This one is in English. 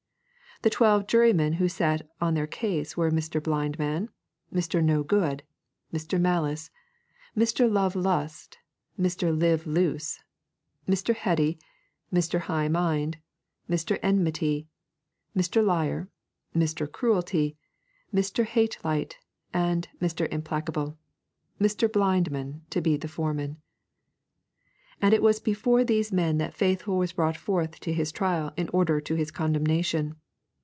The twelve jurymen who sat on their case were Mr. Blindman, Mr. No good, Mr. Malice, Mr. Love lust, Mr. Live loose, Mr. Heady, Mr. High mind, Mr. Enmity, Mr. Liar, Mr. Cruelty, Mr. Hate light, and Mr. Implacable, Mr. Blindman to be the foreman. And it was before these men that Faithful was brought forth to his trial in order to his condemnation.